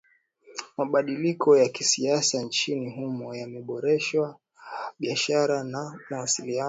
Mabadiliko ya kisiasa nchini humo yameboresha biashara na mawasiliano